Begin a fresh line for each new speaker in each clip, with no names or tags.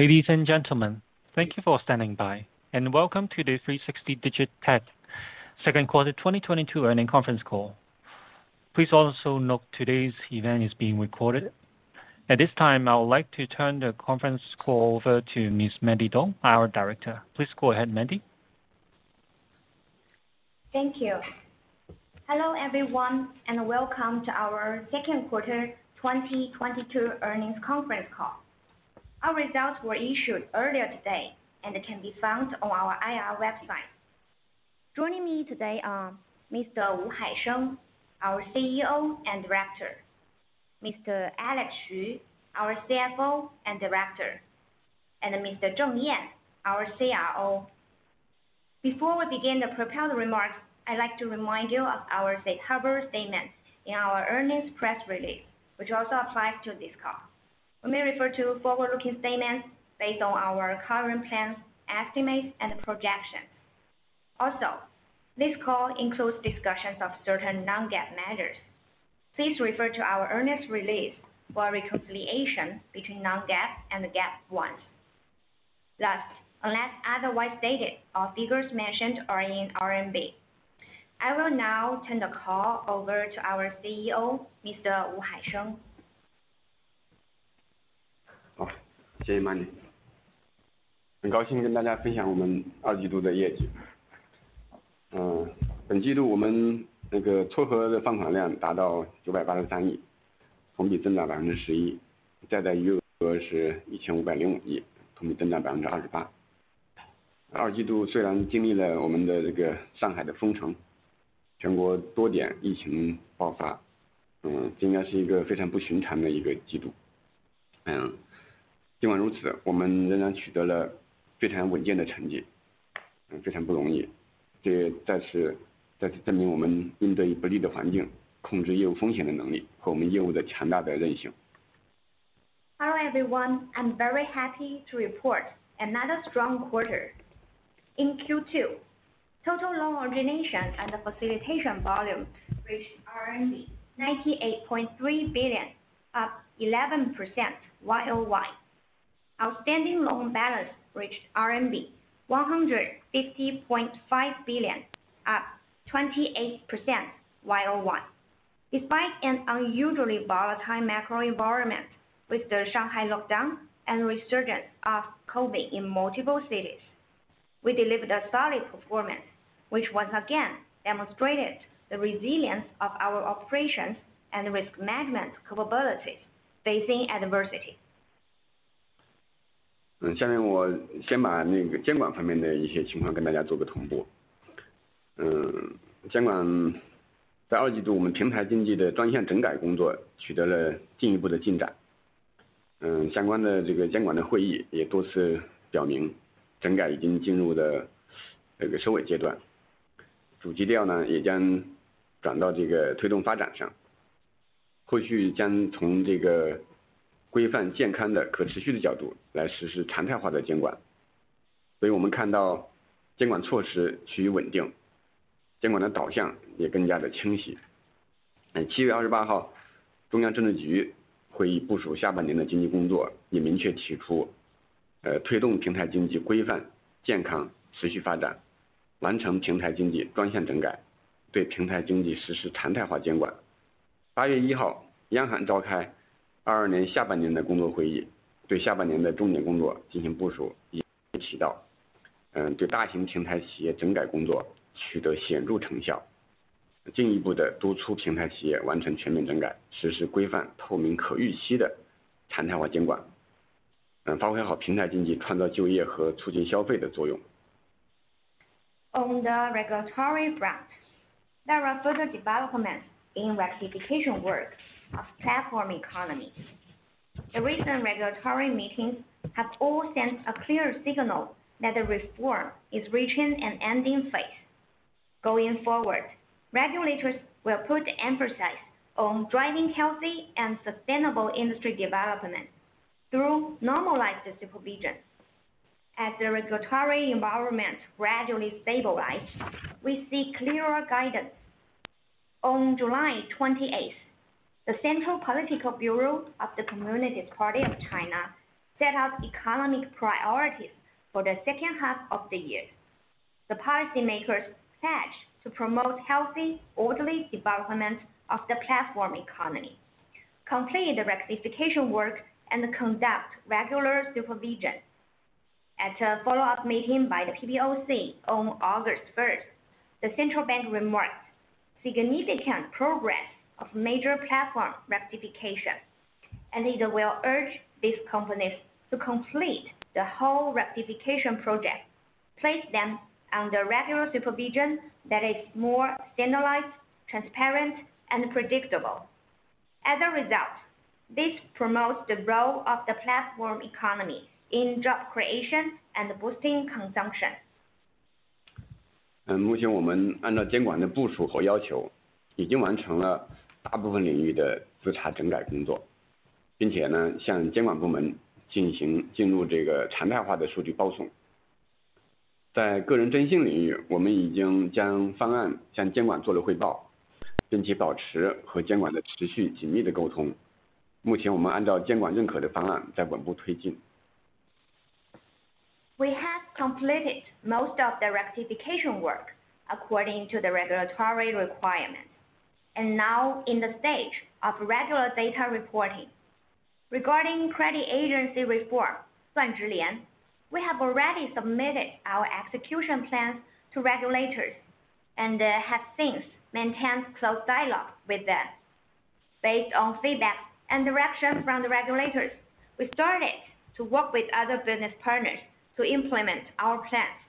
Ladies and gentlemen, thank you for standing by, and welcome to the 360 DigiTech second quarter 2022 earnings conference call. Please also note today's event is being recorded. At this time, I would like to turn the conference call over to Miss Mandy Dong, our Director. Please go ahead, Mandy.
Thank you. Hello everyone, and welcome to our second quarter 2022 earnings conference call. Our results were issued earlier today, and can be found on our IR website. Joining me today are Mr. Haisheng Wu, our CEO and director, Mr. Zuoli Xu, our CFO and director, and Mr. Zheng Yan, our CRO. Before we begin the prepared remarks, I'd like to remind you of our safe harbor statement in our earnings press release, which also applies to this call. When we refer to forward-looking statements based on our current plans, estimates and projections. Also, this call includes discussions of certain non-GAAP measures. Please refer to our earnings release for a reconciliation between non-GAAP and GAAP ones. Last, unless otherwise stated, all figures mentioned are in RMB. I will now turn the call over to our CEO, Mr. Haisheng Wu.
好，谢谢 Mandy。很高兴跟大家分享我们二季度的业绩。本季度我们这个撮合的放款量达到983亿，同比增长11%，贷款余额是1,505亿，同比增长28%。二季度虽然经历了我们的这个上海的封城、全国多点疫情爆发，这应该是一个非常不寻常的季度。尽管如此，我们仍然取得了非常稳健的成绩，非常不容易。这再次证明我们应对不利的环境、控制业务风险的能力和我们业务的强大的韧性。
Hello everyone, I'm very happy to report another strong quarter. In Q2, total loan origination and facilitation volume reached 98.3 billion, up 11% YOY. Outstanding loan balance reached RMB 150.5 billion, up 28% YOY. Despite an unusually volatile macro environment with the Shanghai lockdown and resurgence of COVID in multiple cities, we delivered a solid performance, which once again demonstrated the resilience of our operations and risk management capabilities facing adversity.
下面我先把那个监管方面的一些情况跟大家做个同步。监管...
On the regulatory front, there are further developments in rectification work of platform economy. The recent regulatory meetings have all sent a clear signal that the reform is reaching an ending phase. Going forward, regulators will put emphasis on driving healthy and sustainable industry development through normalized supervision. As the regulatory environment gradually stabilized, we seek clearer guidance. On July 28th, the Central Political Bureau of the Communist Party of China set out economic priorities for the second half of the year. The policymakers pledged to promote healthy, orderly development of the platform economy, complete the rectification work and conduct regular supervision. At a follow up meeting by the PBOC on August 1st, the Central Bank remarked, "significant progress of major platform rectification." It will urge these companies to complete the whole rectification project, place them under regular supervision that is more standardized, transparent and predictable. As a result, this promotes the role of the platform economy in job creation and boosting consumption.
目前我们按照监管的部署和要求，已经完成了大部分领域的自查整改工作，并且向监管部门进行进入这个常态化的数据报送。在个人征信领域，我们已经将方案向监管做了汇报，并且保持和监管的持续紧密的沟通。目前我们按照监管认可的方案在稳步推进。
We have completed most of the rectification work according to the regulatory requirements and now in the stage of regular data reporting. Regarding credit agency reform, 算知联, we have already submitted our execution plans to regulators and have since maintained close dialogue with them. Based on feedback and direction from the regulators, we started to work with other business partners to implement our plans.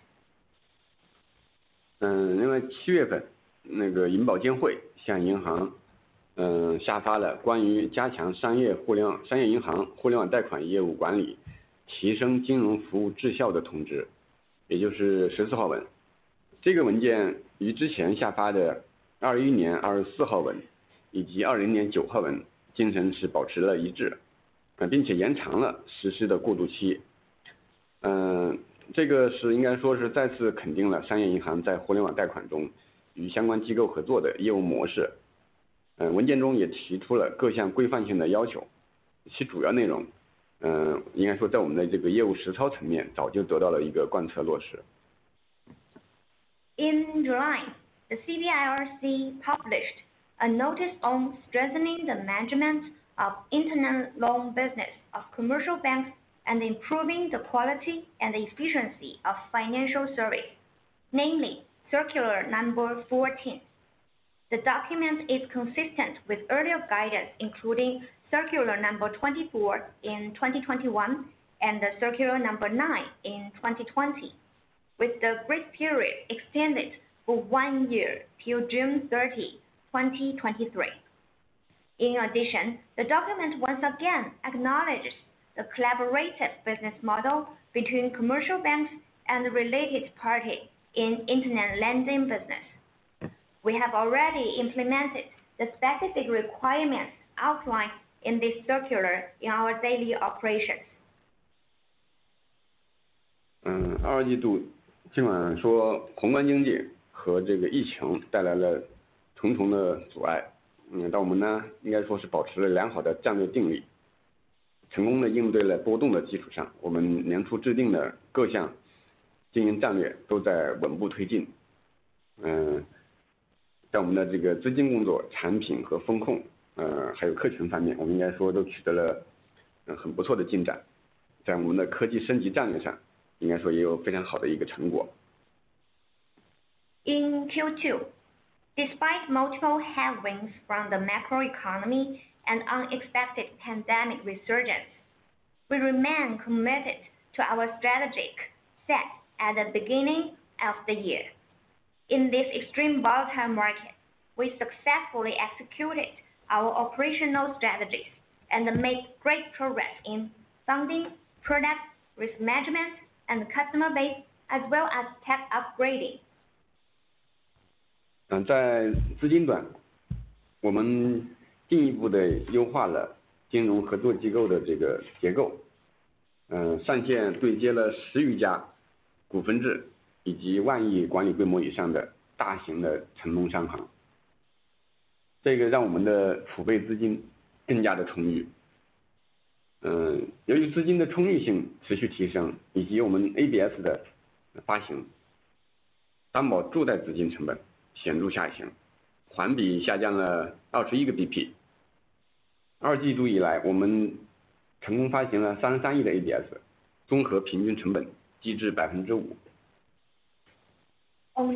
In July, the CBIRC published a notice on strengthening the management of internet loan business of commercial banks and improving the quality and efficiency of financial service, namely Circular No. 14. The document is consistent with earlier guidance, including Circular No. 24 in 2021 and Circular No. 9 in 2020, with the grace period extended for one year till June 30, 2023. In addition, the document once again acknowledges the collaborative business model between commercial banks and related parties in internet lending business. We have already implemented the specific requirements outlined in this circular in our daily operations.
二季度尽管宏观经济和疫情带来了重重的阻碍，但我们应该说是保持了良好的战略定力，在成功地应对了波动的基础上，我们年初制定的各项经营战略都在稳步推进。在我们的资金工作、产品和风控，还有客群方面，我们应该说都取得了很不错的进展。在我们的科技升级战略上，应该说也有非常好的成果。
In Q2, despite multiple headwinds from the macro economy and unexpected pandemic resurgence, we remain committed to our strategic set at the beginning of the year. In this extremely volatile market, we successfully executed our operational strategies and made great progress in funding, product, risk management, and customer base, as well as tech upgrading. On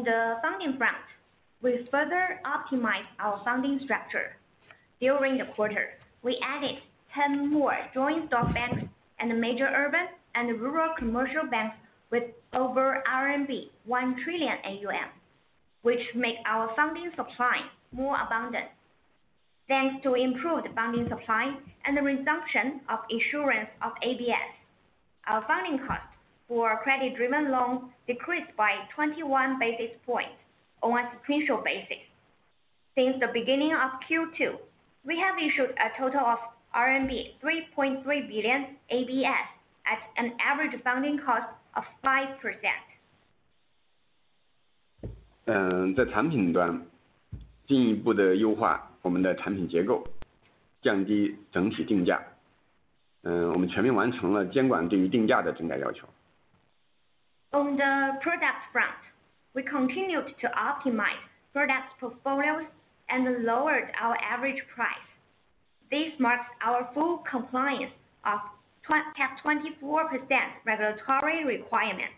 the funding front. We further optimized our funding structure. During the quarter, we added 10 more joint stock banks and major urban and rural commercial banks with over RMB 1 trillion AUM, which make our funding supply more abundant. Thanks to improved funding supply and the resumption of issuance of ABS. Our funding cost for credit driven loans decreased by 21 basis points on a sequential basis. Since the beginning of Q2, we have issued a total of RMB 3.3 billion ABS at an average funding cost of 5%.
在产品端进一步地优化我们的产品结构，降低整体定价。我们全面完成了监管对于定价的整改要求。
On the product front, we continued to optimize product portfolios and lowered our average price. This marks our full compliance of 24% regulatory requirements.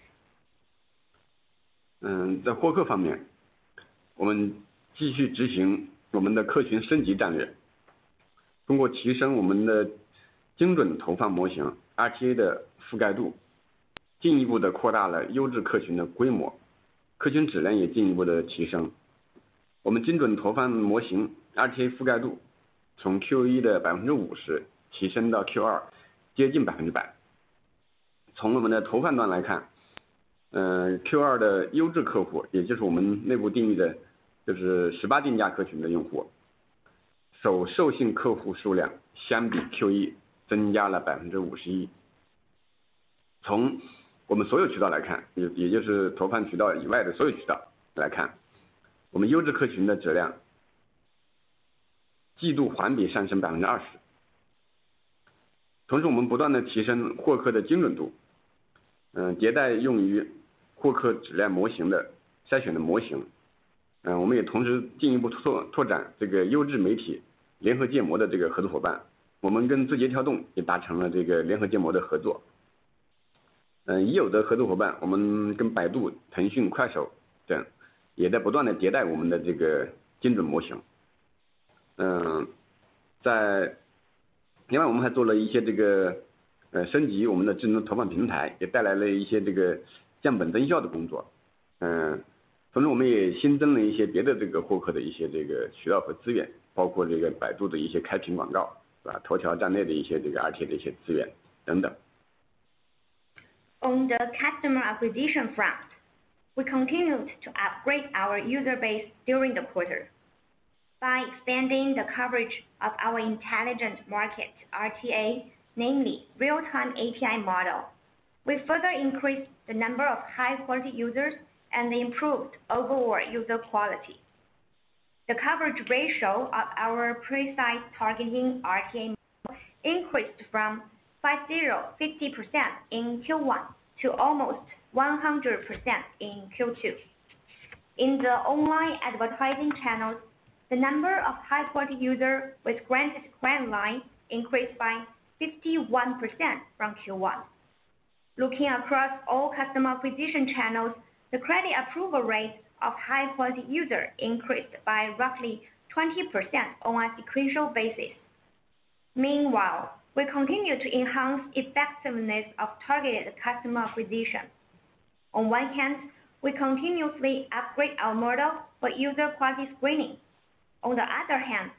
另外我们还做了一些升级我们的智能投放平台，也带来了一些降本增效的工作。同时我们也新增了一些别的获客的渠道和资源，包括百度的一些开屏广告、头条站内的一些RTA的资源等等。
On the customer acquisition front, we continued to upgrade our user base during the quarter by expanding the coverage of our intelligent market RTA, namely real-time API model. We further increased the number of high quality users and improved overall user quality. The coverage ratio of our precise targeting RTA increased from 50% in Q1 to almost 100% in Q2. In the online advertising channels, the number of high quality users with granted credit line increased by 51% from Q1. Looking across all customer acquisition channels, the credit approval rate of high quality users increased by roughly 20% on a sequential basis. Meanwhile, we continue to enhance effectiveness of targeted customer acquisition. On one hand, we continuously upgrade our model for user quality screening. On the other hand,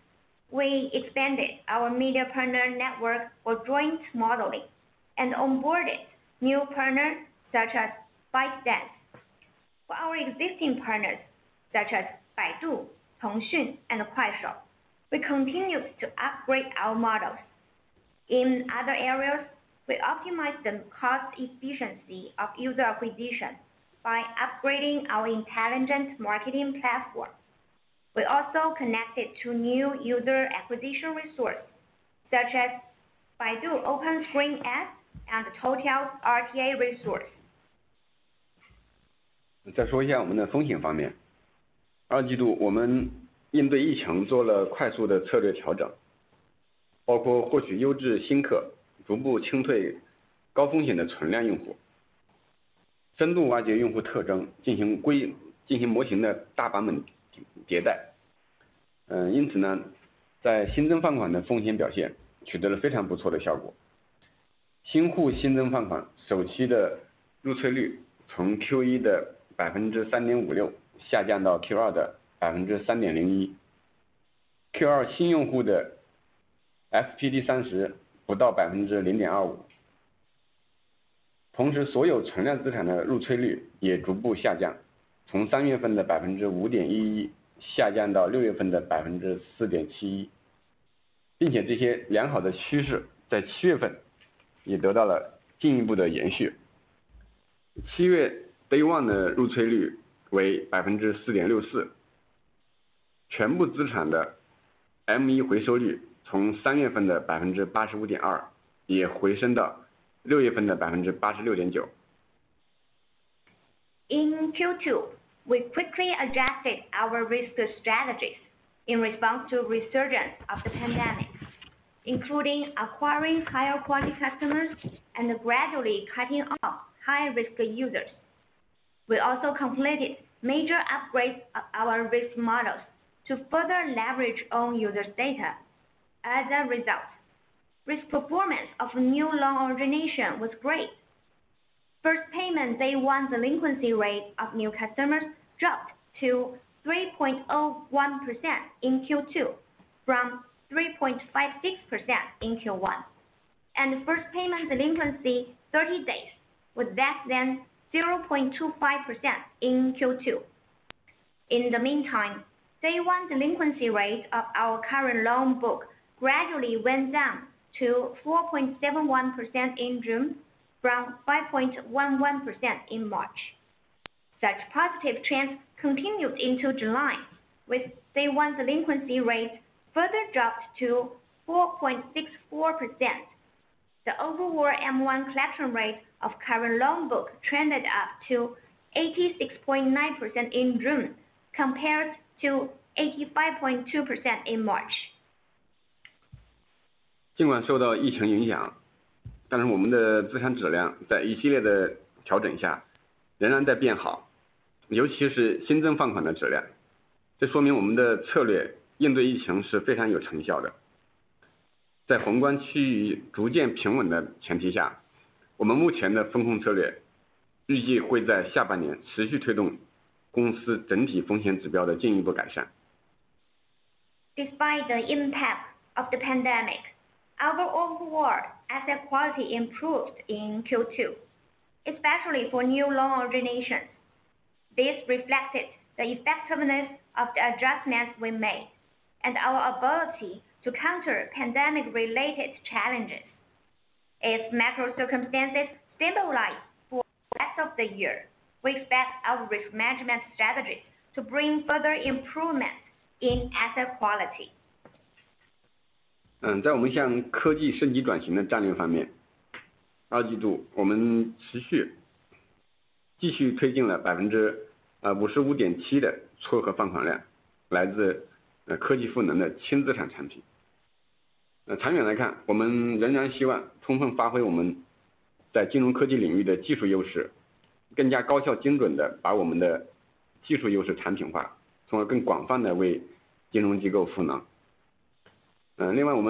we expanded our media partner network for joint modeling and onboarded new partners such as ByteDance. For our existing partners such as Baidu, Tencent, and Kuaishou, we continue to upgrade our models. In other areas, we optimize the cost efficiency of user acquisition by upgrading our intelligent marketing platform. We also connected to new user acquisition resources such as Baidu Open-Screen Ads and Toutiao's RTA resource.
one的入催率为4.64%。全部资产的M1回收率从三月份的85.2%也回升到六月份的86.9%。
In Q2, we quickly adjusted our risk strategies in response to resurgence of the pandemic, including acquiring higher quality customers and gradually cutting off high risk users. We also completed major upgrades of our risk models to further leverage on users' data. As a result, risk performance of new loan origination was great. First payment day one delinquency rate of new customers dropped to 3.01% in Q2 from 3.56% in Q1. First payment delinquency 30 days was less than 0.25% in Q2. In the meantime, day one delinquency rate of our current loan book gradually went down to 4.71% in June from 5.11% in March. Such positive trends continued into July, with day one delinquency rate further dropped to 4.64%. The overall M1 collection rate of current loan book trended up to 86.9% in June, compared to 85.2% in March.
尽管受到疫情影响，但是我们的资产质量在一系列的调整下仍然在变好，尤其是新增放款的质量。这说明我们的策略应对疫情是非常有成效的。在宏观区域逐渐平稳的前提下，我们目前的风控策略预计会在下半年持续推动公司整体风险指标的进一步改善。
Despite the impact of the pandemic, our overall asset quality improved in Q2, especially for new loan origination. This reflected the effectiveness of the adjustments we made and our ability to counter pandemic-related challenges. As macro circumstances stabilize for the rest of the year, we expect our risk management strategies to bring further improvement in asset quality. In terms of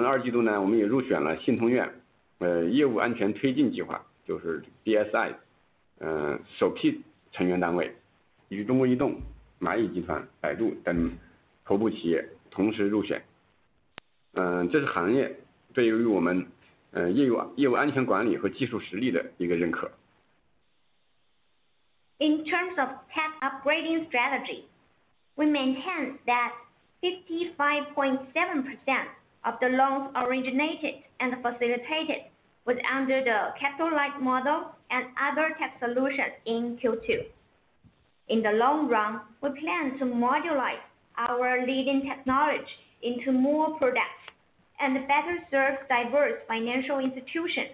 tech upgrading strategy, we maintain that 55.7% of the loans originated and facilitated was under the capital-light model and other tech solutions in Q2. In the long run, we plan to modularize our leading technology into more products and better serve diverse financial institutions.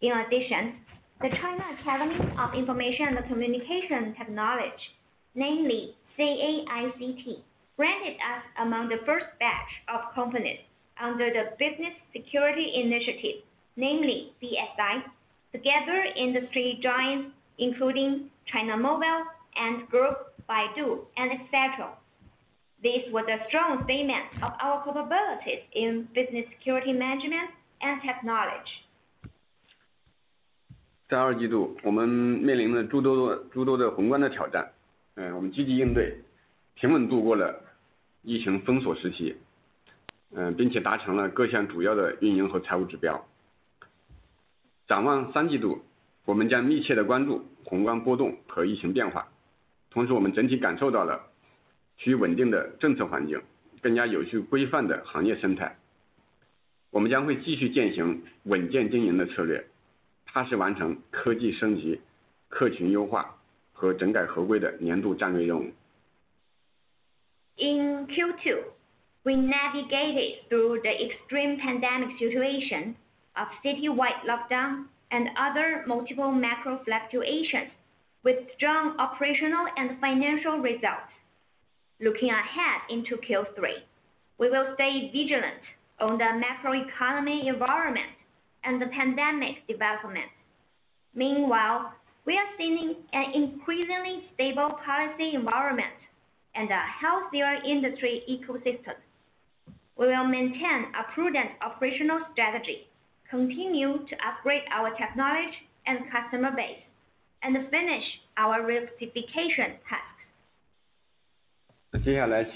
In addition, the China Academy of Information and Communications Technology, namely CAICT, granted us among the first batch of companies under the Business Security Initiative, namely BSI. Together industry giants including China Mobile, Ant Group, Baidu and et cetera. This was a strong statement of our capabilities in business security management and technology. In Q2, we navigated through the extreme pandemic situation of citywide lockdown and other multiple macro fluctuations with strong operational and financial results. Looking ahead into Q3, we will stay vigilant on the macro economy environment and the pandemic development. Meanwhile, we are seeing an increasingly stable policy environment and a healthier industry ecosystem. We will maintain a prudent operational strategy, continue to upgrade our technology and customer base, and finish our rectification tasks.
Okay.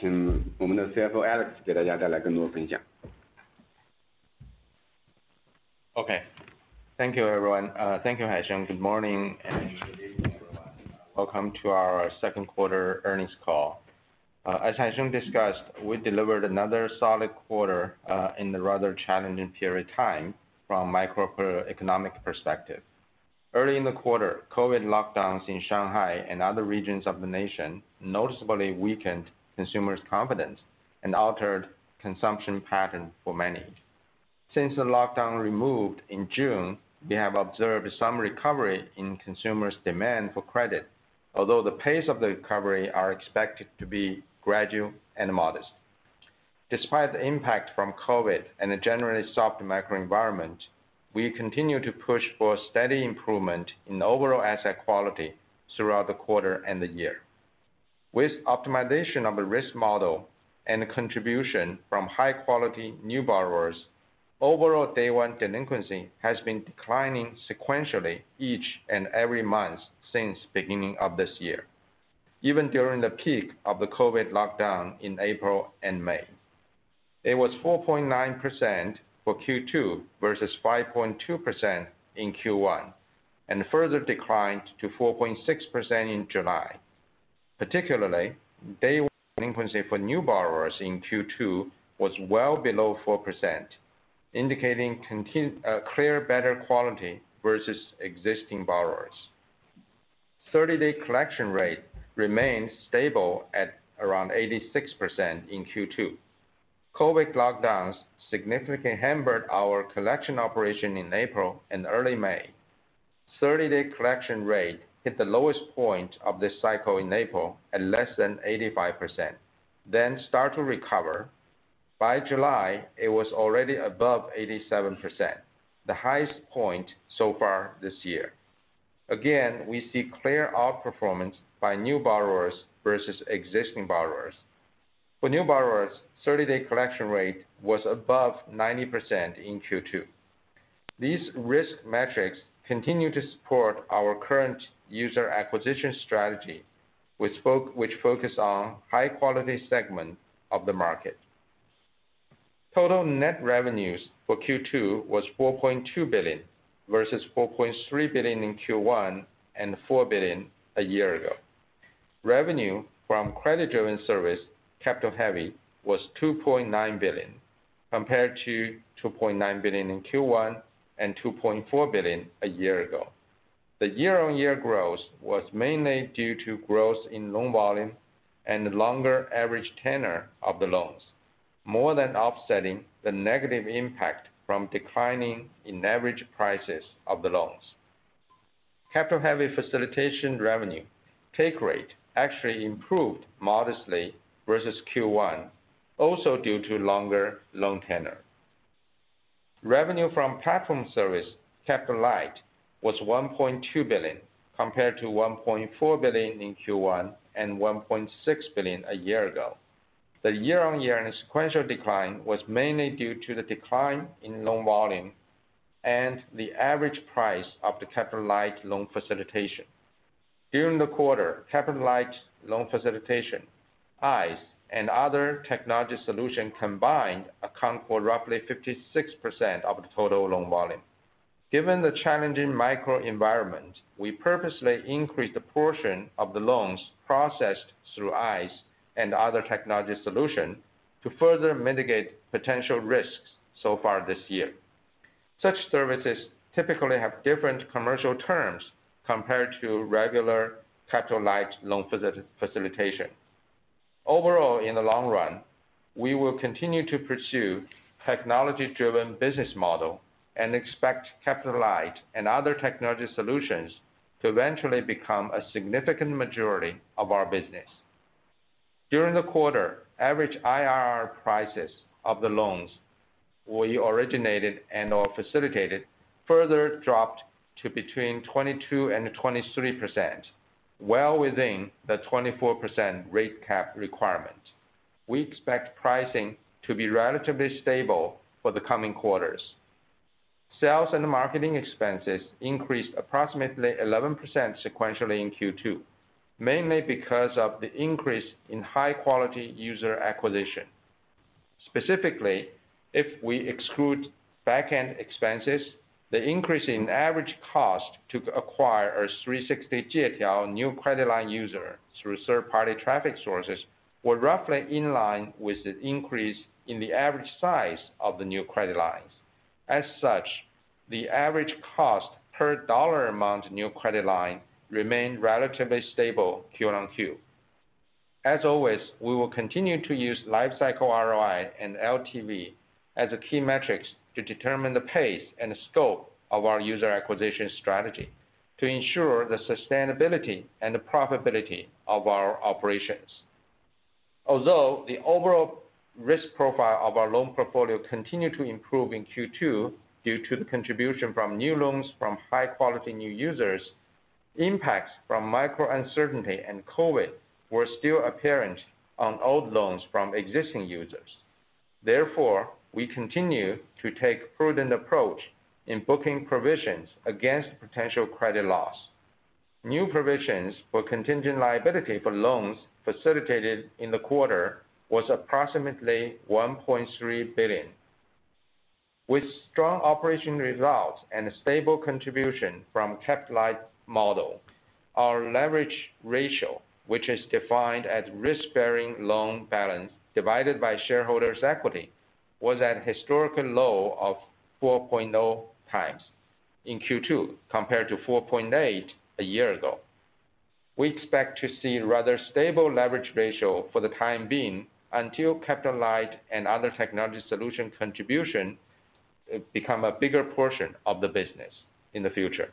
Thank you, everyone. Thank you, Haisheng. Good morning and good evening, everyone. Welcome to our second quarter earnings call. As Haisheng discussed, we delivered another solid quarter, in the rather challenging period of time from a macroeconomic perspective. Early in the quarter, COVID lockdowns in Shanghai and other regions of the nation noticeably weakened consumers' confidence and altered consumption pattern for many. Since the lockdown removed in June, we have observed some recovery in consumers demand for credit. Although the pace of the recovery are expected to be gradual and modest. Despite the impact from COVID and a generally soft macro-environment, we continue to push for steady improvement in overall asset quality throughout the quarter and the year. With optimization of the risk model and contribution from high quality new borrowers, overall day one delinquency has been declining sequentially each and every month since beginning of this year. Even during the peak of the COVID lockdown in April and May. It was 4.9% for Q2, versus 5.2% in Q1, and further declined to 4.6% in July. Particularly, day one delinquency for new borrowers in Q2 was well below 4%, indicating clear better quality versus existing borrowers. Thirty-day collection rate remains stable at around 86% in Q2. COVID lockdowns significantly hampered our collection operation in April and early May. Thirty-day collection rate hit the lowest point of this cycle in April at less than 85%, then start to recover. By July, it was already above 87%, the highest point so far this year. Again, we see clear outperformance by new borrowers versus existing borrowers. For new borrowers, thirty-day collection rate was above 90% in Q2. These risk metrics continue to support our current user acquisition strategy, which focus on high quality segment of the market. Total net revenues for Q2 was 4.2 billion, versus 4.3 billion in Q1, and 4 billion a year ago. Revenue from credit-driven service, capital heavy, was 2.9 billion, compared to 2.9 billion in Q1 and 2.4 billion a year ago. The year-on-year growth was mainly due to growth in loan volume and longer average tenor of the loans, more than offsetting the negative impact from decline in average prices of the loans. Capital-heavy facilitation revenue take rate actually improved modestly versus Q1, also due to longer loan tenor. Revenue from platform service, Capital-Light, was 1.2 billion, compared to 1.4 billion in Q1 and 1.6 billion a year ago. The year-on-year and sequential decline was mainly due to the decline in loan volume and the average price of the Capital-Light loan facilitation. During the quarter, Capital-Light loan facilitation, ICE and other technology solution combined account for roughly 56% of the total loan volume. Given the challenging macroenvironment, we purposely increased the portion of the loans processed through ICE and other technology solution to further mitigate potential risks so far this year. Such services typically have different commercial terms compared to regular Capital-Light loan facilitation. Overall, in the long run, we will continue to pursue technology-driven business model and expect Capital-Light and other technology solutions to eventually become a significant majority of our business. During the quarter, average IRR prices of the loans we originated and/or facilitated further dropped to between 22% and 23%, well within the 24% rate cap requirement. We expect pricing to be relatively stable for the coming quarters. Sales and marketing expenses increased approximately 11% sequentially in Q2, mainly because of the increase in high quality user acquisition. Specifically, if we exclude back-end expenses, the increase in average cost to acquire a 360 new credit line user through third-party traffic sources were roughly in line with the increase in the average size of the new credit lines. As such, the average cost per dollar amount new credit line remained relatively stable Q-on-Q. As always, we will continue to use lifecycle ROI and LTV as key metrics to determine the pace and scope of our user acquisition strategy to ensure the sustainability and profitability of our operations. Although the overall risk profile of our loan portfolio continued to improve in Q2 due to the contribution from new loans from high-quality new users, impacts from macro-uncertainty and COVID were still apparent on old loans from existing users. Therefore, we continue to take prudent approach in booking provisions against potential credit loss. New provisions for contingent liability for loans facilitated in the quarter was approximately 1.3 billion. With strong operating results and stable contribution from Capital-Light model, our leverage ratio, which is defined as risk-bearing loan balance divided by shareholders' equity, was at a historical low of 4.0 times in Q2, compared to 4.8 a year ago. We expect to see rather stable leverage ratio for the time being until Capital-Light and other technology solution contribution become a bigger portion of the business in the future.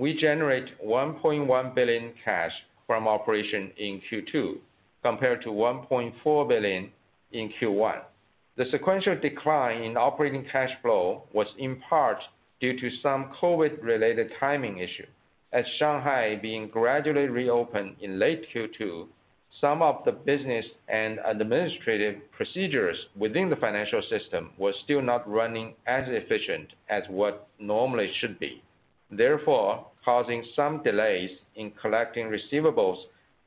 We generate 1.1 billion cash from operation in Q2, compared to 1.4 billion in Q1. The sequential decline in operating cash flow was in part due to some COVID-related timing issue. As Shanghai being gradually reopened in late Q2, some of the business and administrative procedures within the financial system were still not running as efficient as what normally should be, therefore, causing some delays in collecting receivables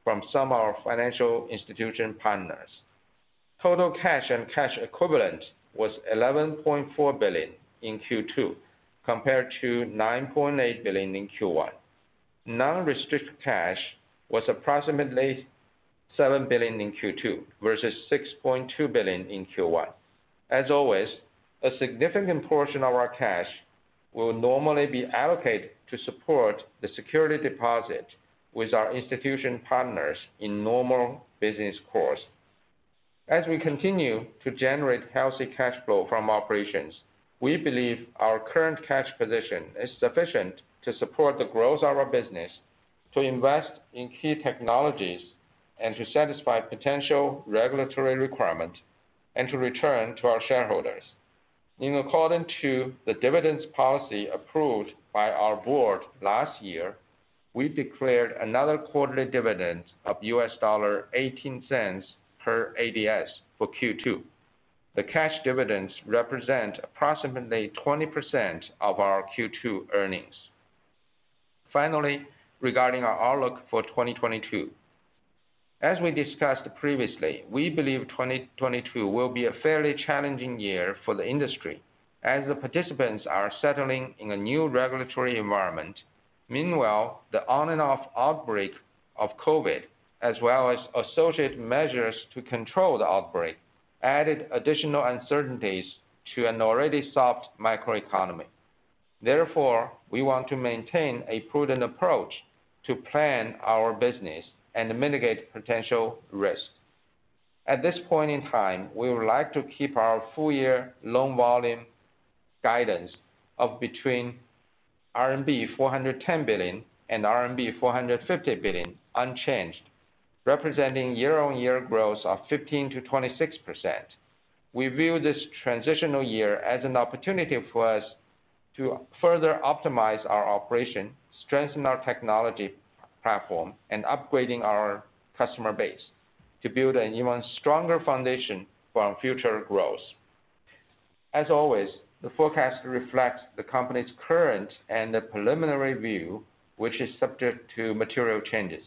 from some of our financial institution partners. Total cash and cash equivalents was 11.4 billion in Q2, compared to 9.8 billion in Q1. Non-restricted cash was approximately 7 billion in Q2 versus 6.2 billion in Q1. As always, a significant portion of our cash will normally be allocated to support the security deposit with our institution partners in normal business course. As we continue to generate healthy cash flow from operations, we believe our current cash position is sufficient to support the growth of our business, to invest in key technologies, and to satisfy potential regulatory requirements, and to return to our shareholders. In accordance with the dividend policy approved by our board last year, we declared another quarterly dividend of $0.18 per ADS for Q2. The cash dividends represent approximately 20% of our Q2 earnings. Finally, regarding our outlook for 2022. As we discussed previously, we believe 2022 will be a fairly challenging year for the industry, as the participants are settling in a new regulatory environment. Meanwhile, the on and off outbreak of COVID, as well as associated measures to control the outbreak, added additional uncertainties to an already soft macro economy. Therefore, we want to maintain a prudent approach to plan our business and mitigate potential risks. At this point in time, we would like to keep our full year loan volume guidance of between RMB 410 billion and RMB 450 billion unchanged, representing year-on-year growth of 15%-26%. We view this transitional year as an opportunity for us to further optimize our operation, strengthen our technology platform and upgrading our customer base to build an even stronger foundation for our future growth. As always, the forecast reflects the company's current and preliminary view, which is subject to material changes.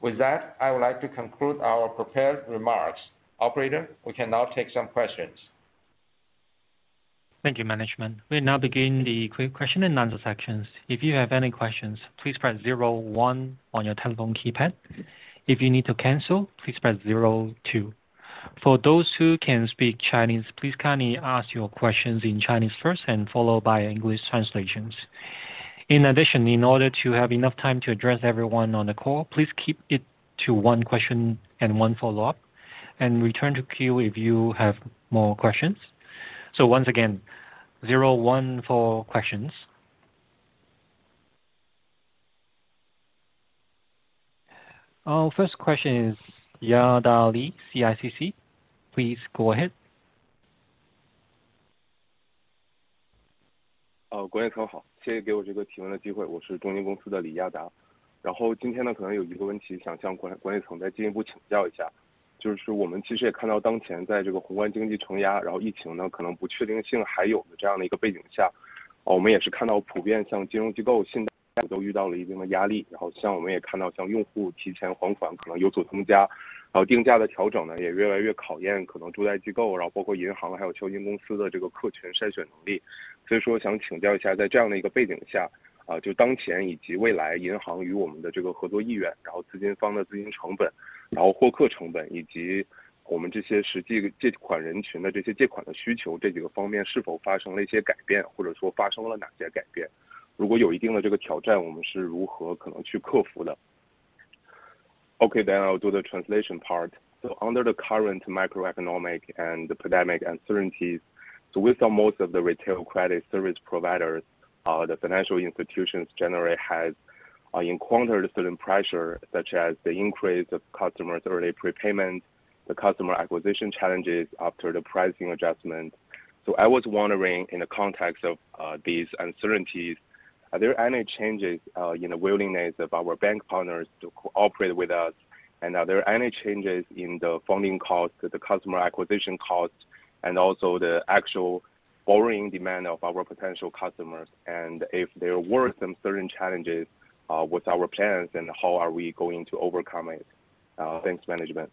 With that, I would like to conclude our prepared remarks. Operator, we can now take some questions.
Thank you, management. We now begin the question and answer section. If you have any questions, please press zero one on your telephone keypad. If you need to cancel, please press zero two. For those who can speak Chinese, please kindly ask your questions in Chinese first followed by English translations. In addition, in order to have enough time to address everyone on the call, please keep it to one question and one follow up, and return to queue if you have more questions. Once again, zero one for questions. Our first question is Yada CICC. Please go ahead.
Okay, then I'll do the translation part. Under the current macroeconomic and pandemic uncertainties, so we saw most of the retail credit service providers or the financial institutions generally have encountered certain pressure, such as the increase of customers early prepayment, the customer acquisition challenges after the pricing adjustment. I was wondering in the context of these uncertainties, are there any changes in the willingness of our bank partners to cooperate with us? And are there any changes in the funding cost to the customer acquisition cost? And also the actual borrowing demand of our potential customers? And if there were some certain challenges with our plans, then how are we going to overcome it? Thanks management.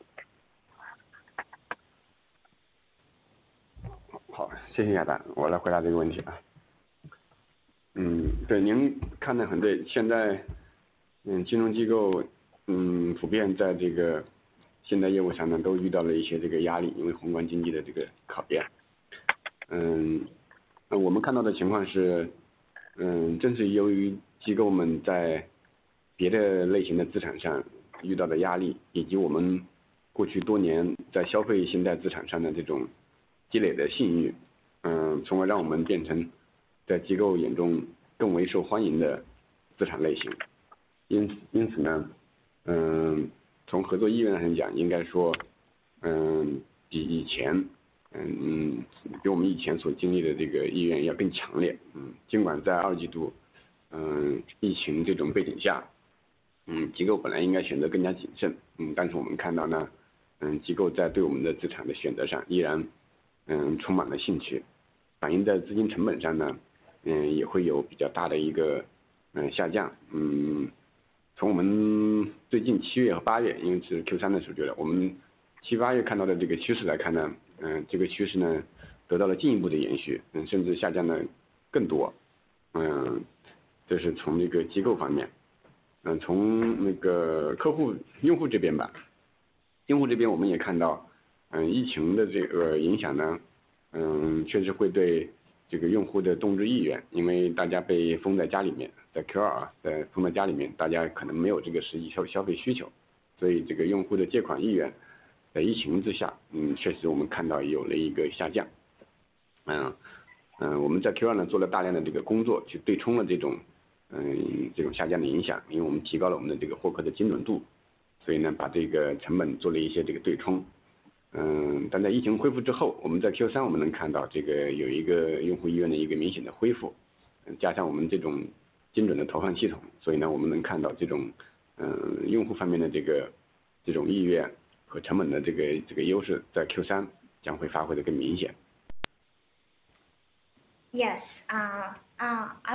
Yes. I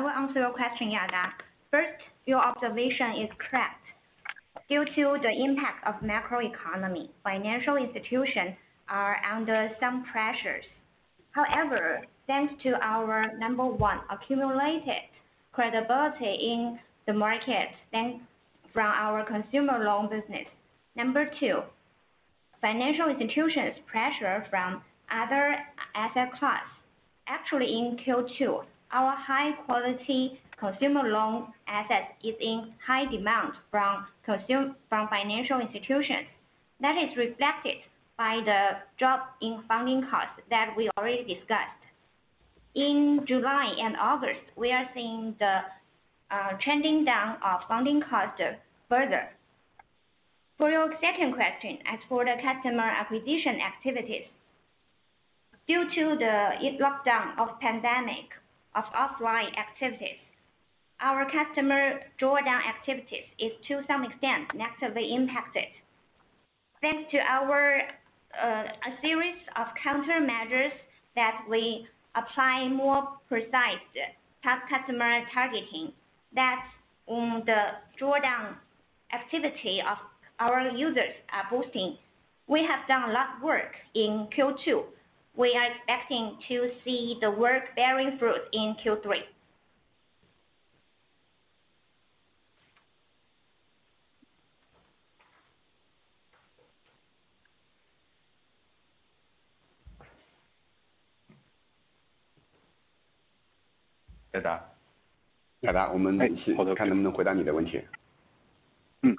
will answer your question, yeah. First, your observation is correct. Due to the impact of macro economy, financial institutions are under some pressures. However, thanks to our number one accumulated credibility in the market that from our consumer loan business. Number two, financial institutions pressure from other asset class. Actually in Q2, our high quality consumer loan assets is in high demand from financial institutions. That is reflected by the drop in funding costs that we already discussed. In July and August, we are seeing the trending down of funding costs further. For your second question, as for the customer acquisition activities, due to the lockdown of pandemic of offline activities, our customer drawdown activities is to some extent negatively impacted. Thanks to our a series of countermeasures that we apply more precise customer targeting that the drawdown activity of our users are boosting. We have done a lot of work in Q2. We are expecting to see the work bearing fruit in Q3.
亚达。雅达，我们看能不能回答你的问题。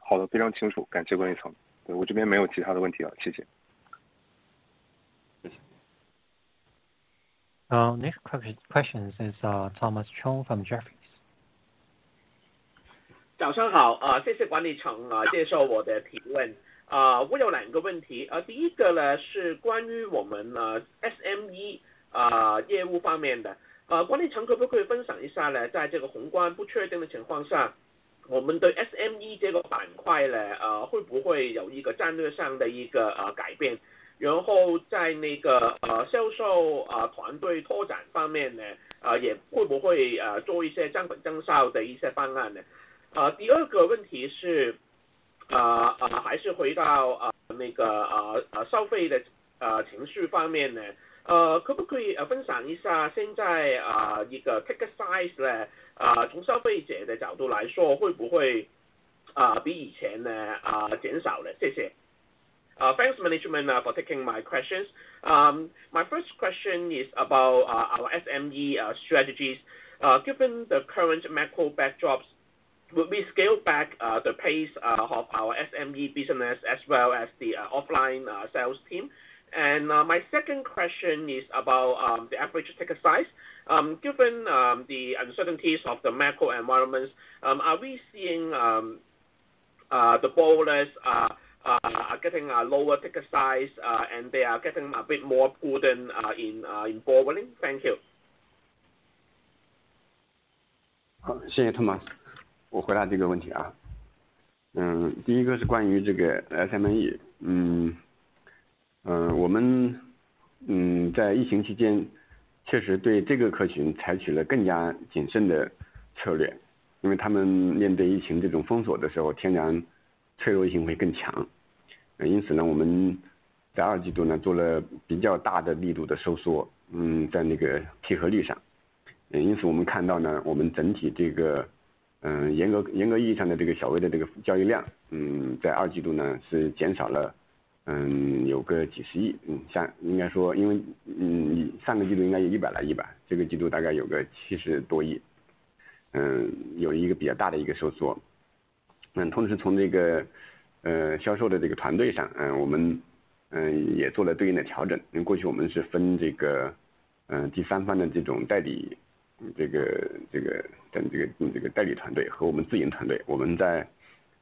好的，非常清楚，感谢管理层。我这边没有其他的问题了。谢谢。
谢谢。
Next question is Thomas Chong from Jefferies.
早上好，谢谢管理层接受我的提问。我有两个问题，第一个呢，是关于我们 SME ticket size 呢，从消费者的角度来说，会不会，啊，比以前的啊减少呢？谢谢。Thanks management for taking my questions. My first question is about our SME strategies. Giving the current macro backdrops, will we scale back the pace of our SME business as well as the offline sales team? And my second question is about the average ticket size. Giving the uncertainties of the macro environment, are we seeing the borrowers are getting a lower ticket size and they are getting a bit more prudent in borrowing? Thank you.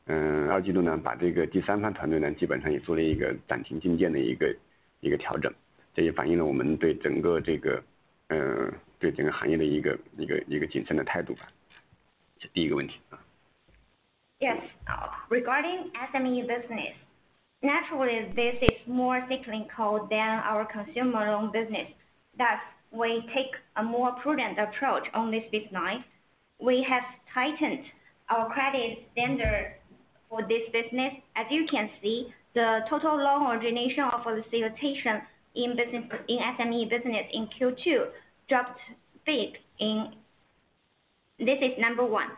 Yes. Regarding SME business. Naturally, this is more cycling code than our consumer loan business. Thus, we take a more prudent approach on this business. We have tightened our credit standard for this business. As you can see, the total loan origination authorization in this SME business in Q2 dropped big. This is number one.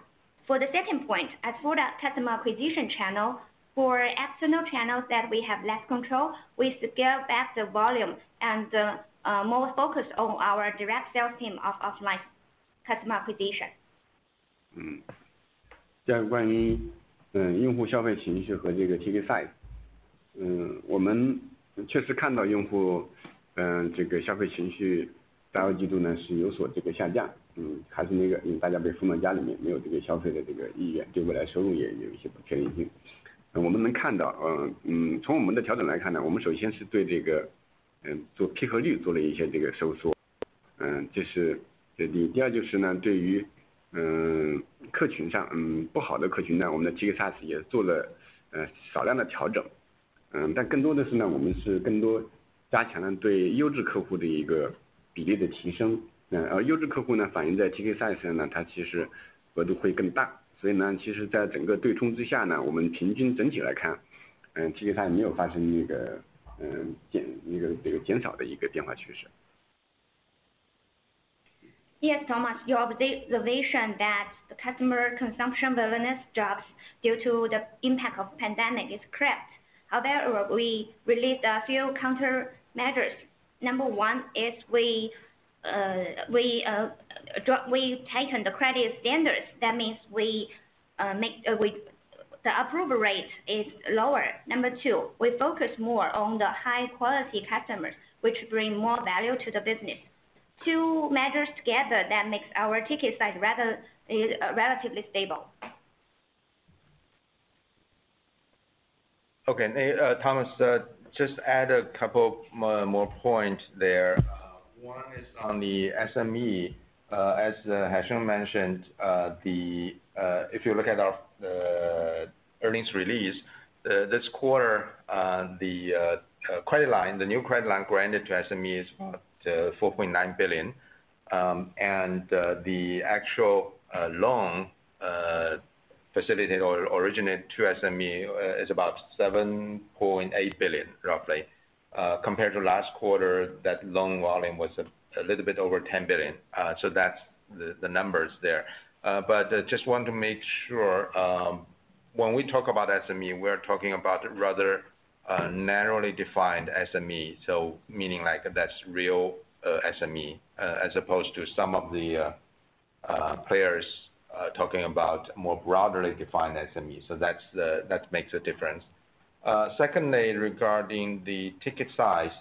For the second point, as for that customer acquisition channel for external channels that we have less control, we scale back the volume and more focus on our direct sales team of offline customer acquisition.
再来关于用户消费情绪和这个ticket size。我们确实看到用户这个消费情绪在二季度呢，是有所这个下降，还是那个大家被封在家里面，没有这个消费的这个意愿，对未来收入也有一些不确定性。我们能看到，从我们的调整来看呢，我们首先是对这个批核率做了一些这个收缩，这是第一。第二就是呢，对于客群上，不好的客群呢，我们的ticket size也做了少量的调整。But more of is that we are more strengthen the quality customers a ratio of improvement. Quality customers reflect on ticket size, it is actually the proportion will be greater. You know, in fact, under the entire offsetting, we average on the whole, ticket size did not occur that a decrease trend.
Yes, Thomas, your observation that the customer consumption willingness drops due to the impact of pandemic is correct. However, we released a few countermeasures. Number one is we've tightened the credit standards. That means the approval rate is lower. Number two, we focus more on the high quality customers, which bring more value to the business. Two measures together that makes our ticket size relatively stable.
Okay. Thomas Chong, just add a couple more points there. One is on the SME. As Haisheng Wu mentioned, if you look at our earnings release this quarter, the new credit line granted to SME is about 4.9 billion. And the actual loan facilitated or originated to SME is about 7.8 billion, roughly. Compared to last quarter, that loan volume was a little bit over 10 billion. So that's the numbers there. But just want to make sure, when we talk about SME, we are talking about rather narrowly defined SME. Meaning like that's real SME as opposed to some of the players talking about more broadly defined SME. That makes a difference. Secondly, regarding the ticket size,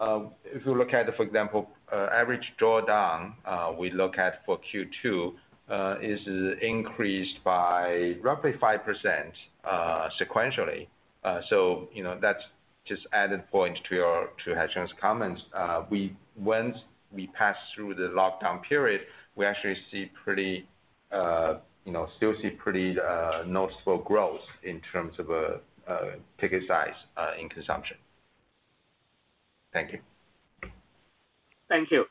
if you look at, for example, average drawdown we look at for Q2 is increased by roughly 5%, sequentially. That's just added point to Haisheng Wu's comments. Once we pass through the lockdown period, we actually still see pretty noticeable growth in terms of ticket size in consumption. Thank you.
Thank you.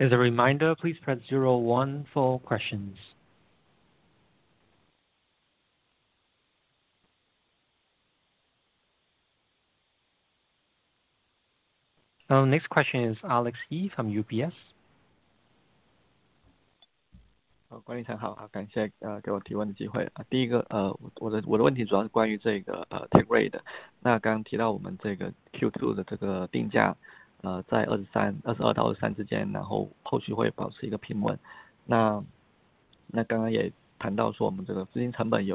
As a reminder, please press zero one for questions. Our next question is Alex Ye from UBS.
My question is mainly on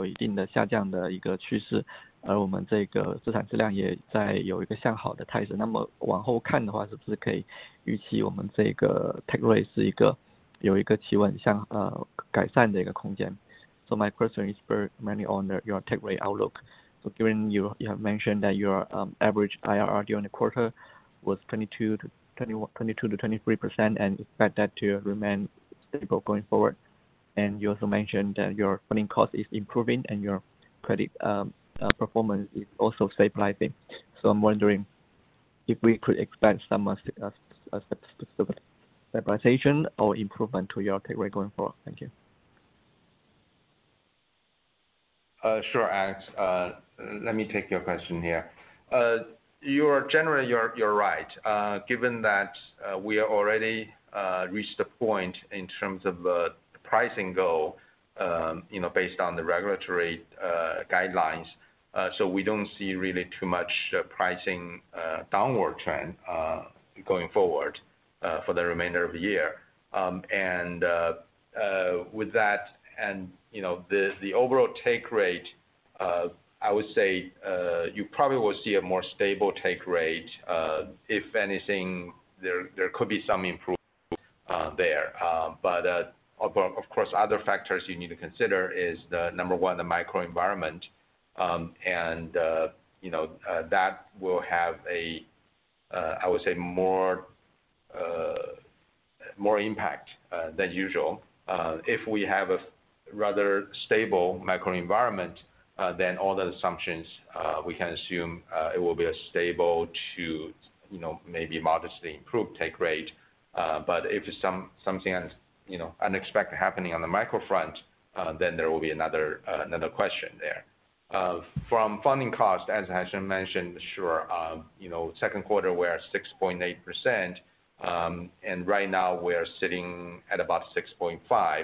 your takeaway outlook. Given you have mentioned that your average IRR during the quarter was 22%-23% and expect that to remain stable going forward. You also mentioned that your funding cost is improving and your credit performance is also stabilizing. I'm wondering if we could expand some of specific stabilization or improvement to your takeaway going forward. Thank you.
Sure, Alex. Let me take your question here. You're generally right. Given that we are already reached the point in terms of pricing goal, you know, based on the regulatory guidelines, so we don't see really too much pricing downward trend going forward for the remainder of the year. With that and, you know, the overall take rate, I would say you probably will see a more stable take rate. If anything, there could be some improvement there. But of course, other factors you need to consider is the number one, the microenvironment. You know, that will have a I would say more impact than usual. If we have a rather stable macroenvironment, then all the assumptions we can assume it will be a stable to, you know, maybe modestly improved take rate. But if something, you know, unexpected happening on the micro front, then there will be another question there. From funding cost, as Haisheng Wu mentioned, sure, you know, second quarter we're at 6.8%, and right now we're sitting at about 6.5%.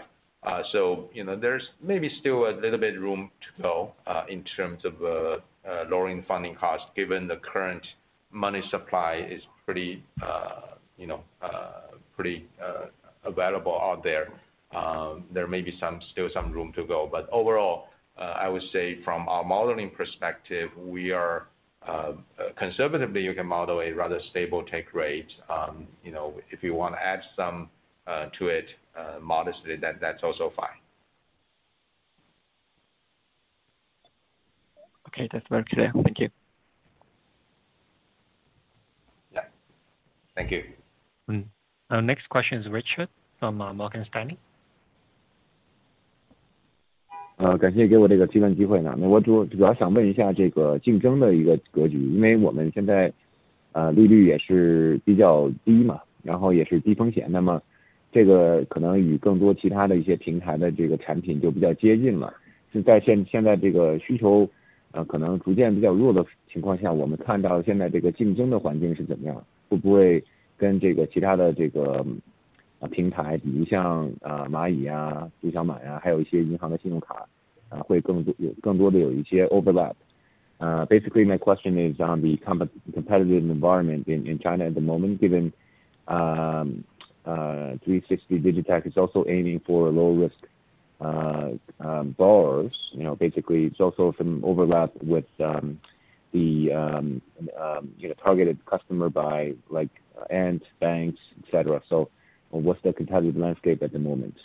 So, you know, there's maybe still a little bit room to go in terms of lowering funding cost, given the current money supply is pretty, you know, pretty available out there. There may be some room to go. Overall, I would say from a modeling perspective, we are conservatively, you can model a rather stable take rate. You know, if you wanna add some to it modestly, that's also fine.
Okay, that's very clear. Thank you.
Thank you.
Next question is Richard from Morgan Stanley.
感谢给我这个提问机会。那我主要想问一下这个竞争的格局，因为我们现在利率也是比较低嘛，然后也是低风险，那么这个可能与更多其他的一些平台的这个产品就比较接近了。就在现在这个需求可能逐渐比较弱的情况下，我们看到现在这个竞争的环境是怎么样？会不会跟这个其他的这个平台，比如像蚂蚁啊、度小满啊，还有一些银行的信用卡啊，会更多有一些overlap。Basically my question is on the competitive environment in China at the moment, given 360 DigiTech is also aiming for a low risk bar, you know, basically it's also some overlap with the targeted customer by like Ant banks etc. So what's the competitive landscape at the moment?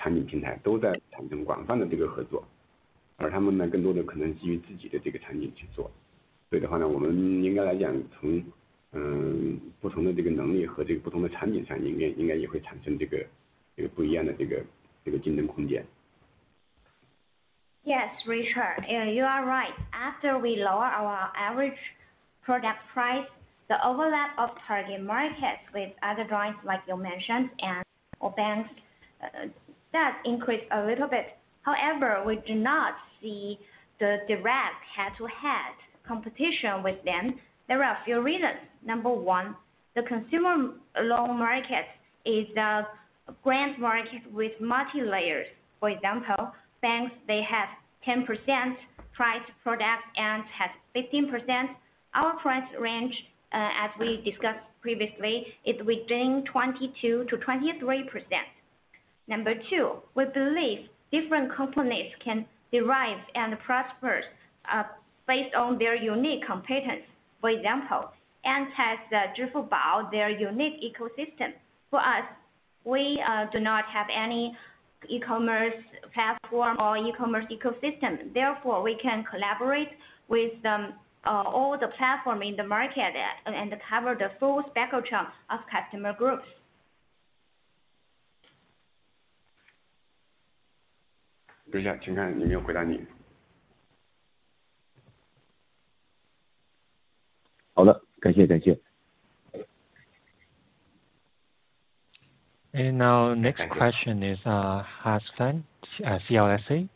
Yes, Richard, you are right. After we lower our average product price, the overlap of target markets with other giants like you mentioned Ant or banks, that increase a little bit. However we do not see the direct head to head competition with them. There are a few reasons. Number one, the consumer loan market is a grand market with multi layers. For example, banks they have 10% price product, Ant has 15%. Our price range as we discussed previously is within 22%-23%. Number two, we believe different companies can thrive and prosper based on their unique competence. For example, Ant has Alipay their unique ecosystem. For us, we do not have any e-commerce platform or e-commerce ecosystem. Therefore we can collaborate with all the platform in the market and cover the full spectrum of customer groups.
等一下，请看有没有回答你。好了，感谢，感谢。
Now, next question is Hans Fan, CLSA.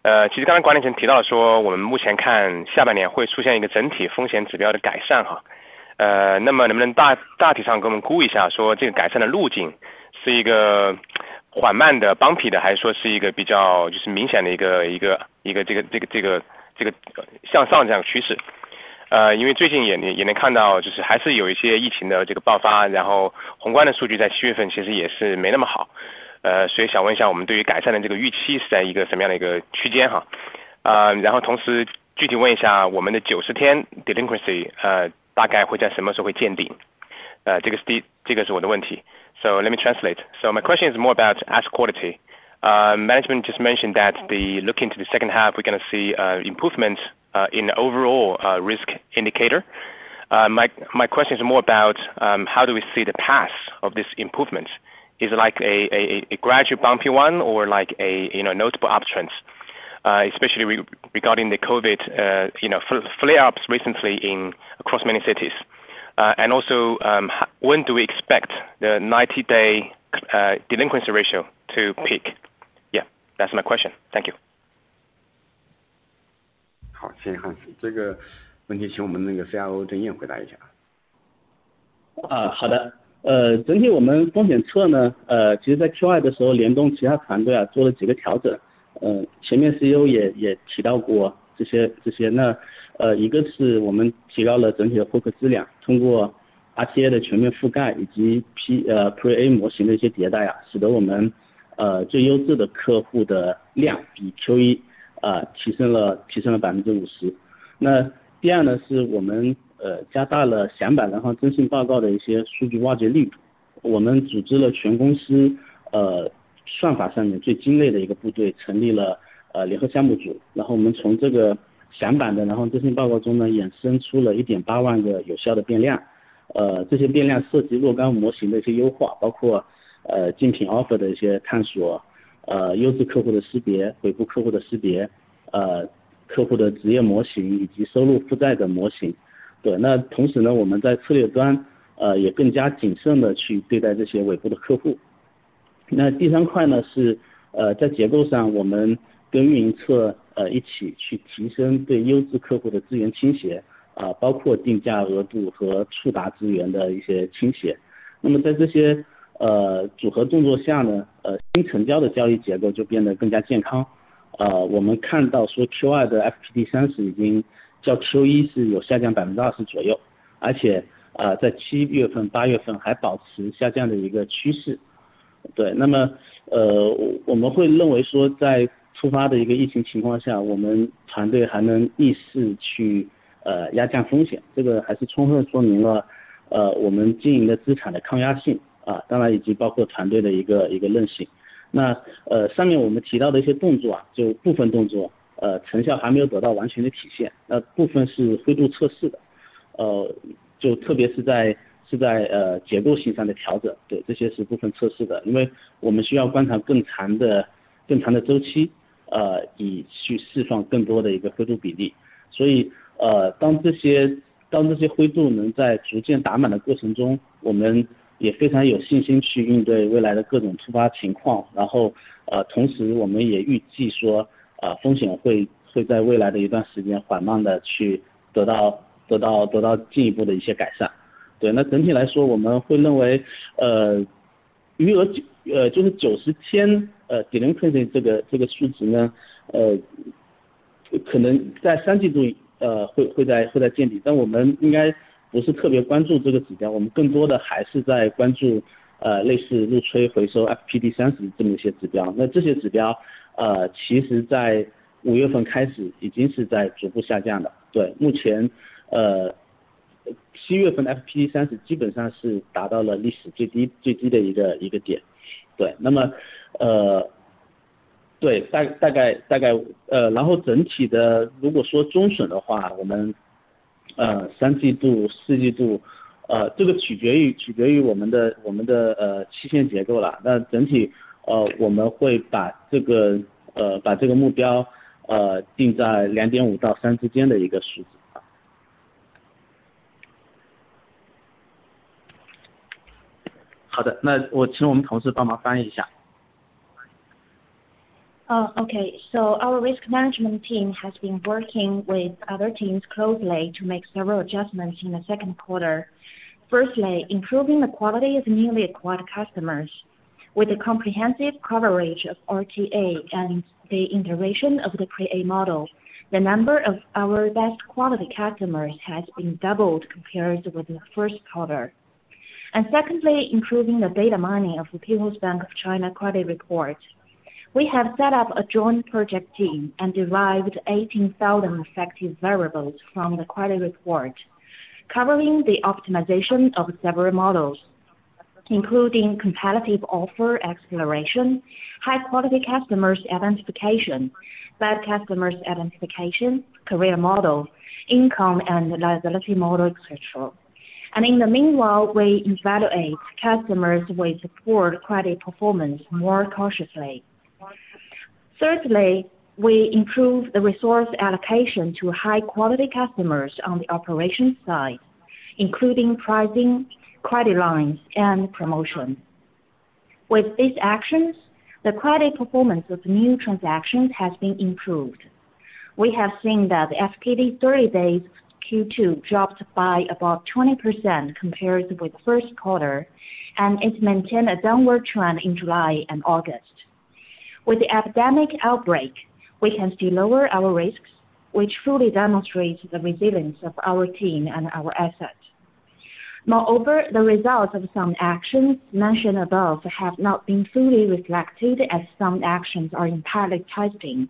好的。感谢管理层给我这个提问的机会。我是CLSA的Hans。我想请教一下关于资产质量的问题。其实刚才管理层提到说我们目前看下半年会出现一个整体风险指标的改善。那么能不能大体上给我们估一下，说这个改善的路径是一个缓慢的、蹦起的，还是说是一个比较明显的一个向上这样的趋势。因为最近也能看到就是还是有一些疫情的这个爆发，然后宏观的数据在七月份其实也是没那么好。所以想问一下，我们对于改善的这个预期是在一个什么样的一个区间。然后同时具体问一下我们的九十天delinquency大概会在什么时候会见顶？这个是我的问题。So let me translate. My question is more about asset quality. Management just mentioned that the look into the second half we're going to see improvement in the overall risk indicator. My question is more about how do we see the path of this improvement, is like a gradual bumpy one or like a notable uptrend, especially regarding the COVID flare-ups recently across many cities. And also when do we expect the 90-day delinquency ratio to peak? That's my question. Thank you.
好，谢谢汉斯。这个问题请我们那个CRO郑燕回答一下。
整体我们风险侧，其实在Q2的时候，联动其他团队做了几个调整。前面CEO也提到过这些。一个是我们提高了整体的客户质量，通过RTA的全面覆盖以及PRE-A模型的一些迭代，使得我们最优质的客户的量比Q1提升了50%。那第二，是我们加大了样本然后征信报告的一些数据挖掘力度。我们组织了全公司算法上面最精锐的一个部队，成立了联合项目组，然后我们从这个样本的、然后征信报告中衍生出了1.8万个有效的变量。这些变量涉及若干模型的一些优化，包括竞品offer的一些探索、优质客户的识别、尾部客户的识别、客户的职业模型以及收入负债的模型。同时，我们在策略端也更加谨慎地去对待这些尾部的客户。那第三块，是在结构上我们跟运营侧一起去提升对优质客户的资源倾斜，包括定价额度和触达资源的一些倾斜。那么在这些组合动作下，新成交的交易结构就变得更加健康。我们看到Q2的FPD30已经较Q1下降了约20%，而且在七月份、八月份还保持下降的趋势。那么我们会认为，在突发的疫情情况下，我们团队还能逆势去压降风险，这个还是充分说明了我们经营的资产的抗压性，当然以及包括团队的韧性。上面我们提到的一些动作，部分动作成效还没有得到完全的体现，那部分是灰度测试的，特别是在结构性上的调整，这些是部分测试的，因为我们需要观察更长的周期，以去释放更多的灰度比例。所以当这些灰度能在逐渐打满的过程中，我们也非常有信心去应对未来的各种突发情况。同时我们也预计，风险会在未来的一段时间缓慢地得到进一步的改善。那整体来说，我们会认为余额，就是九十天delinquency这个数值，可能在三季度会见底，但我们应该不是特别关注这个指标，我们更多的还是在关注类似日催、回收、FPD30这么一些指标。这些指标其实在五月份开始已经是在逐步下降的。目前七月份的FPD30基本上是达到了历史最低的一个点。那么整体如果说中旬的话，三季度、四季度，这个取决于我们的期限结构。但整体，我们会把这个目标定在2.5到3之间的一个数值。好的，那我请我们同事帮忙翻译一下。
Okay, our risk management team has been working with other teams closely to make several adjustments in the second quarter. Firstly, improving the quality of newly acquired customers with a comprehensive coverage of RTA and the integration of the PRE-A model. The number of our best quality customers has been doubled compared with the first quarter. Secondly, improving the data mining of the People's Bank of China credit report. We have set up a joint project team and derived 18,000 effective variables from the credit report, covering the optimization of several models, including competitive offer exploration, high quality customers identification, bad customers identification, career model, income and liability model, etc. In the meanwhile, we evaluate customers with poor credit performance more cautiously. Thirdly, we improve the resource allocation to high quality customers on the operation side, including pricing, credit lines and promotion. With these actions, the credit performance of new transactions has been improved. We have seen that FPD30 days Q2 dropped by about 20% compared with first quarter, and it maintained a downward trend in July and August. With the epidemic outbreak, we can still lower our risks, which fully demonstrates the resilience of our team and our asset. Moreover, the results of some actions mentioned above have not been fully reflected as some actions are in pilot testing.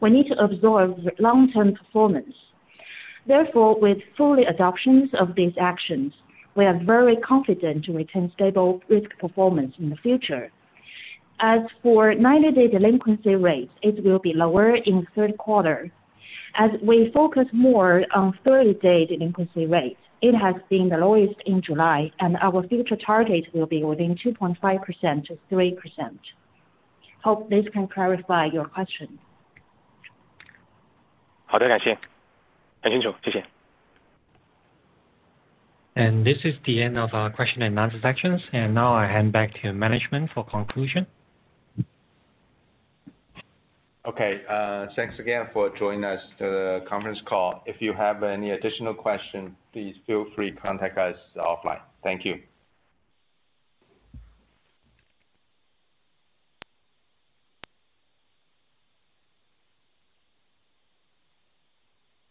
We need to observe long term performance. Therefore with full adoption of these actions, we are very confident to maintain stable risk performance in the future. As for 90-day delinquency rates, it will be lower in third quarter. As we focus more on 30-day delinquency rates, it has been the lowest in July, and our future target will be within 2.5%-3%. Hope this can clarify your question.
好的，感谢。很清楚。谢谢。
This is the end of our question and answer sections. Now I hand back to management for conclusion.
Okay, thanks again for joining us on the conference call. If you have any additional question, please feel free to contact us offline. Thank you.